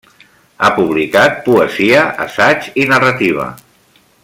Ha publicat poesia, assaig i narrativa.